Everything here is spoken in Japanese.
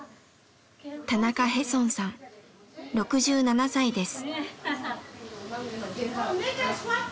田中ヘソンさん６７歳です。